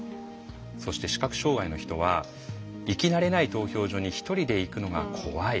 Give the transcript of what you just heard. そして視覚障害の人は「行き慣れない投票所に１人で行くのが怖い」。